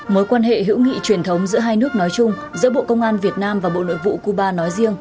mối quan hệ hữu nghị truyền thống giữa hai nước nói chung giữa bộ công an việt nam và bộ nội vụ cuba nói riêng